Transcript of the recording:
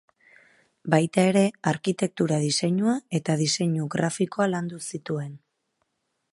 Baita ere arkitektura diseinua eta diseinu grafikoa landu zituen.